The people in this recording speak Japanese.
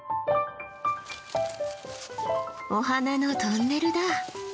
お花のトンネルだ。